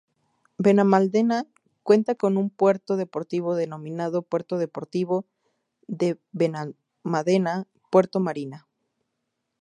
Benalmádena cuenta con un puerto deportivo denominado Puerto Deportivo de Benalmádena ""Puerto Marina"".